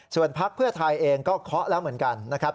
ส่วนพักเพื่อไทยเองก็เคาะแล้วเหมือนกันนะครับ